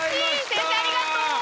先生ありがとう。